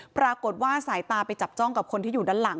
ปรากฏว่าสายตาไปจับจ้องกับคนที่อยู่ด้านหลัง